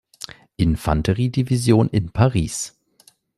Infanteriedivision in Paris.